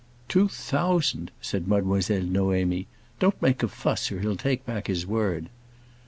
"Two thousand!" said Mademoiselle Noémie. "Don't make a fuss or he'll take back his word."